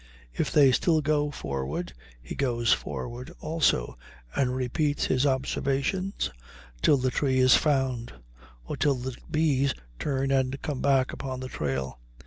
If they still go forward, he goes forward also and repeats his observations till the tree is found, or till the bees turn and come back upon the trail.